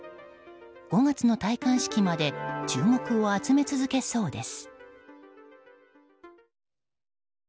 ５月の戴冠式まで注目を集め続けそうです。